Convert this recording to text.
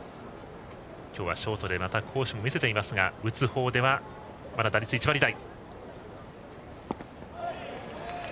今日はショートで好守も見せていますが打つほうでは、まだ打率１割台。